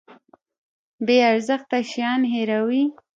بې ارزښته شیان هیروي.